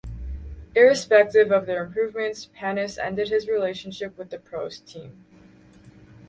Irrespective of the improvements, Panis ended his relationship with the Prost team.